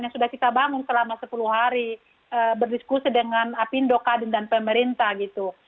yang sudah kita bangun selama sepuluh hari berdiskusi dengan apindo kadin dan pemerintah gitu